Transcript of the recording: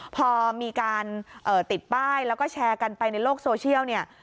พอมีการติดป้ายแล้วก็แชร์กันไปในโลกโซเชียลเนี่ย